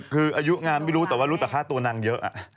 คืออายุงานไม่รู้แต่ว่ารู้แต่ค่าตัวนางเยอะ